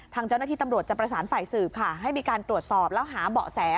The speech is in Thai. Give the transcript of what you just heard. ทางเจ้าหน้าที่ตำรวจจะประสานฝ่ายสืบค่ะให้มีการตรวจสอบแล้วหาเบาะแส